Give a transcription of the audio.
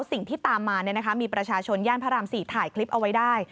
สิ่งที่ตามมามีประชาชนย่านพระราม๔ถ่ายคลิปเอาไว้ได้